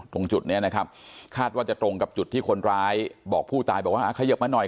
ตรงจุดนี้นะครับคาดว่าจะตรงกับจุดที่คนร้ายบอกผู้ตายบอกว่าเขยิบมาหน่อย